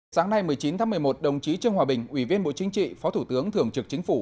sáng nay một mươi chín tháng một mươi một đồng chí trương hòa bình ủy viên bộ chính trị phó thủ tướng thường trực chính phủ